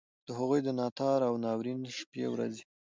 د هغوی د ناتار او ناورین شپې ورځي.